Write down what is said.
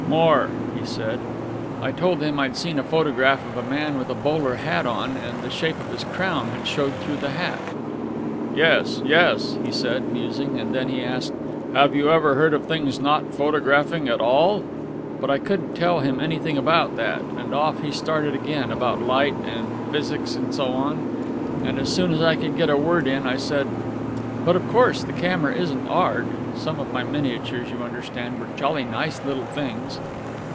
"More," he said. I told him I'd once seen a photograph of a man with a bowler hat on, and the shape of his crown had showed through the hat. "Yes, yes," he said, musing; and then he asked: "Have you ever heard of things not photographing at all?" But I couldn't tell him anything about that; and off he started again, about Light and Physics and so on. Then, as soon as I could get a word in, I said, "But, of course, the camera isn't Art." (Some of my miniatures, you understand, were jolly nice little things.)